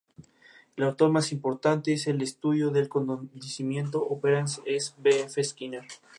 El autor más importante en el estudio del condicionamiento operante es B. F. Skinner.